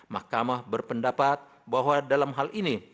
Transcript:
mahkamah berpendapat bahwa dalam hal ini